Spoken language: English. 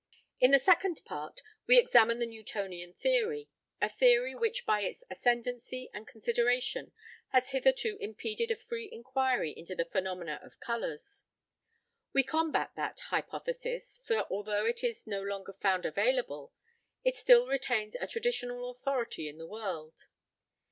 In the second part we examine the Newtonian theory; a theory which by its ascendancy and consideration has hitherto impeded a free inquiry into the phenomena of colours. We combat that hypothesis, for although it is no longer found available, it still retains a traditional authority in the world.